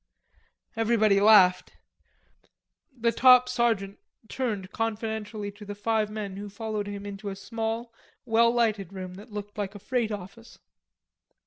Everybody laughed. The top sergeant turned confidentially to the five men who followed him into a small well lighted room that looked like a freight office.